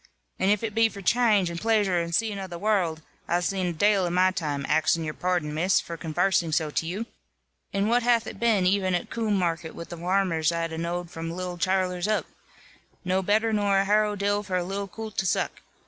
"And if it be for channge, and plaisure, and zeeing of the warld, I've zeen a dale in my time, axing your pardon, Miss, for convarsing so to you. And what hath it been even at Coom market, with the varmers I've a knowed from little chillers up? No better nor a harrow dill for a little coolt to zuck.